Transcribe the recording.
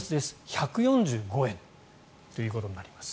１４５円ということになります。